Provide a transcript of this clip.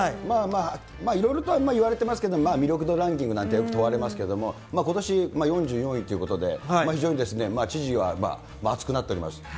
まあまあ、いろいろといわれてますけど、まあ魅力度ランキングなんて、よく問われますけども、ことし４４位ということで、非常にですね、知事は熱くなっております。